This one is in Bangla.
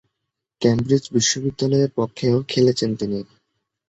কেমব্রিজ বিশ্ববিদ্যালয়ের পক্ষেও খেলেছেন তিনি।